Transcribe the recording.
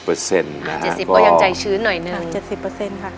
๗๐เปอร์เซ็นต์ก็ยังใจชื้นน้อยหนึ่ง